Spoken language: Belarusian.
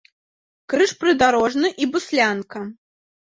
Крыж прыдарожны і буслянка.